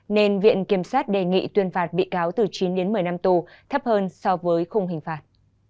nên viện kiểm sát đề nghị tuyên phạt bị cáo từ chín đến một mươi năm tù thấp hơn so với khung hình phạt